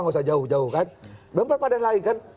nggak usah jauh jauh kan